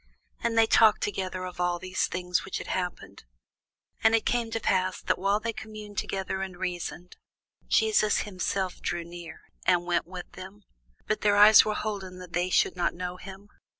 And they talked together of all these things which had happened. And it came to pass, that, while they communed together and reasoned, Jesus himself drew near, and went with them. But their eyes were holden that they should not know him.